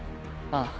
ああ。